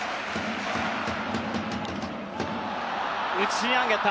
打ち上げた。